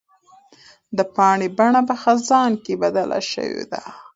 د پاڼې بڼه په خزان کې بدله شوې ده.